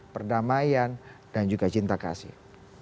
perdamaian dan juga cinta kasih